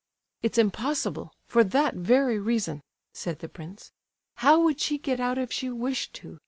"It's impossible, for that very reason," said the prince. "How would she get out if she wished to?